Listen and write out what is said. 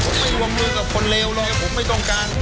ผมไม่วงมือกับคนเลวเลยผมไม่ต้องการ